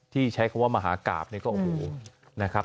ใช้คำว่ามหากราบเนี่ยก็โอ้โหนะครับ